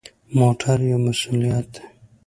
موټر یو مسؤلیت دی.